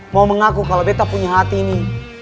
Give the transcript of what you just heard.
mau mengaku kalo betta punya hati ini